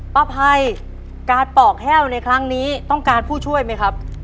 ภัยการปอกแห้วในครั้งนี้ต้องการผู้ช่วยไหมครับ